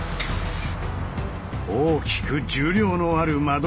大きく重量のある窓ガラス。